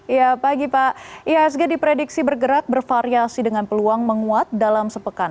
ya pagi pak ihsg diprediksi bergerak bervariasi dengan peluang menguat dalam sepekan